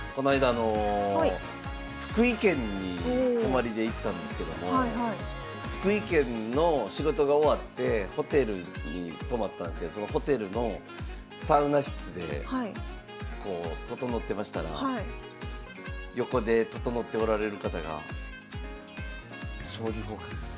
あの福井県に泊まりで行ったんですけども福井県の仕事が終わってホテルに泊まったんですけどそのホテルのサウナ室でこう整ってましたら横で整っておられる方が「将棋フォーカス」